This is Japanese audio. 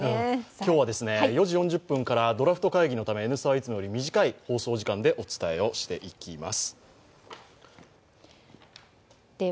今日は４時４０分からドラフト会議のため「Ｎスタ」はいつもより短い放送時間でお伝えします。